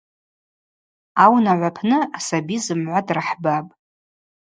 Аунагӏва апны асаби зымгӏва драхӏбапӏ.